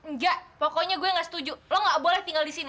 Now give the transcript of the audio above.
enggak pokoknya gue gak setuju lo gak boleh tinggal di sini